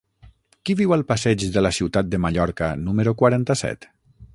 Qui viu al passeig de la Ciutat de Mallorca número quaranta-set?